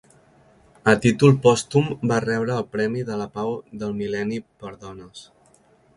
A títol pòstum va rebre el Premi de la Pau del Mil·lenni per Dones.